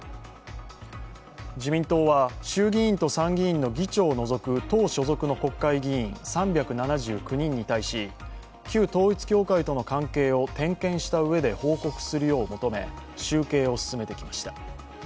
自民党は、衆議院と参議院の議長を除く党所属の国会議員３７９人に対し旧統一教会との関係を点検したうえで報告するよう求め集計を進めてきました。